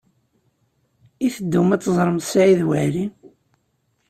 I teddum ad teẓrem Saɛid Waɛli?